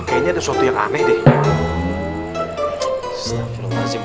kayaknya ada sesuatu yang aneh deh